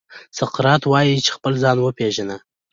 سقراط وايي چې خپل ځان وپېژنه.